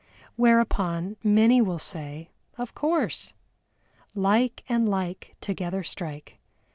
Whereupon many will say "of course." Like and like together strike.